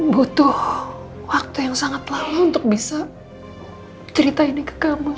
butuh waktu yang sangat lama untuk bisa cerita ini ke kamu